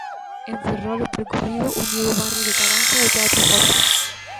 En Ferrol o percorrido uniu o barrio de Caranza e o Teatro Jofre.